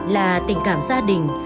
là tình cảm gia đình